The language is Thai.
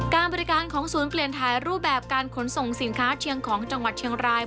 การบริการของศูนย์เปลี่ยนถ่ายรูปแบบการขนส่งสินค้าเชียงของจังหวัดเชียงราย